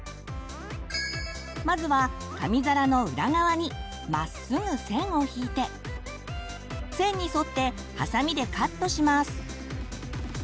まずは紙皿の裏側にまっすぐ線を引いて線に沿ってハサミでカットします。